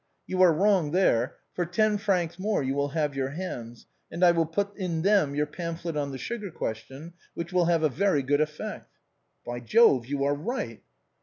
" You are wrong there ; for ten francs more you will have your hands, and I will put in them your pamphlet on the sugar question, which will have a very good effect." " By Jove, you are right